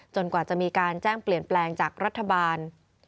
กว่าจะมีการแจ้งเปลี่ยนแปลงจากรัฐบาล